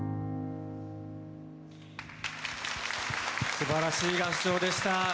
素晴らしい合唱でした。